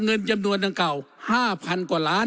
เงินจำนวนนั้นเก่า๕๐๐๐ล้าน